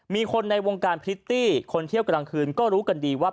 มีคนในวงการพริตตี้คนเที่ยวกลางคืนก็รู้กันดีว่า